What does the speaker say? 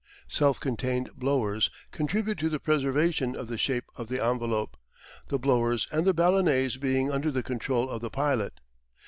Self contained blowers contribute to the preservation of the shape of the envelope, the blowers and the ballonets being under the control of the pilot.